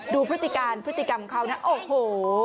พฤติการพฤติกรรมเขานะโอ้โห